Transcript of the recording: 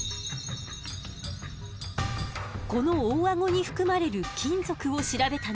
この大アゴに含まれる金属を調べたの。